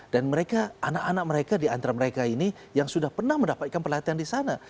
dan anak anak mereka di antara mereka ini yang sudah pernah mendapatkan pelatihan di sana